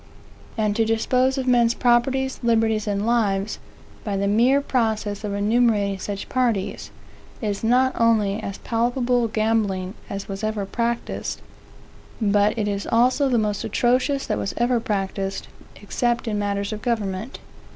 And to dispose of men's properties, liberties, and lives, by the mere process of enumerating such parties, is not only as palpable gambling as was ever practised, but it is also the most atrocious that was ever practised, except in matters of government.